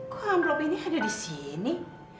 kok angklop ini ada disini